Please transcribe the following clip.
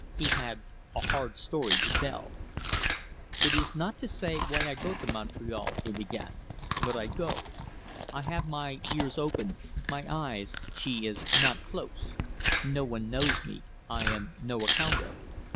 He had a hard story to tell. "It is not to say why I go to Montreal," he began. "But I go. I have my ears open; my eyes, she is not close. No one knows me I am no account of.